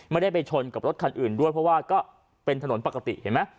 ไม่ได้ไปชนกับรถคันอื่นด้วยเพราะว่าก็เป็นถนนปกติเห็นไหม